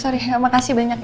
sorry ya makasih banyak ya